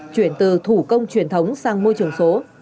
chuyển từ thủ công truyền thống sang môi trường số